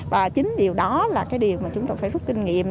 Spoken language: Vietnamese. và chính điều đó là cái điều mà chúng tôi phải rút kinh nghiệm